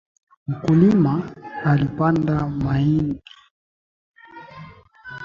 Mkulima alipanda mahindi.